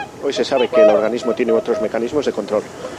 Hoy se sabe que el organismo tiene otros mecanismos de control.